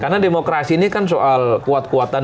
karena demokrasi ini kan soal kuat kuatan